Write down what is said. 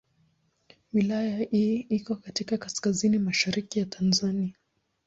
Wilaya hii iko katika kaskazini mashariki ya Tanzania.